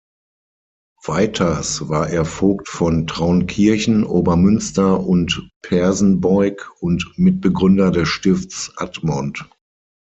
Weiters war er Vogt von Traunkirchen, Obermünster und Persenbeug und Mitbegründer des Stifts Admont.